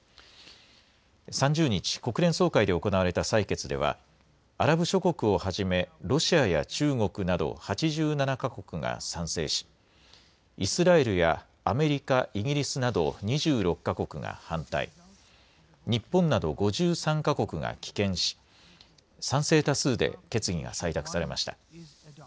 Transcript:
３０日、国連総会で行われた採決ではアラブ諸国をはじめロシアや中国など８７か国が賛成し、イスラエルやアメリカ、イギリスなど２６か国が反対、日本など５３か国が棄権し、賛成多数で決議が採択されました。